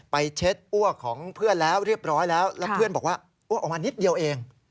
เช็ดอ้วกของเพื่อนแล้วเรียบร้อยแล้วแล้วเพื่อนบอกว่าอ้วกออกมานิดเดียวเอง